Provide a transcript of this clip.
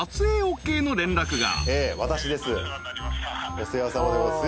お世話さまです。